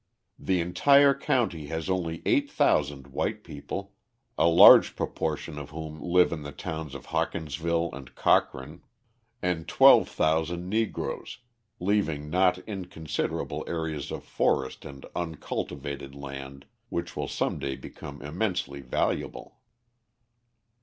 The entire county has only 8,000 white people, a large proportion of whom live in the towns of Hawkinsville and Cochran, and 12,000 Negroes, leaving not inconsiderable areas of forest and uncultivated land which will some day become immensely valuable.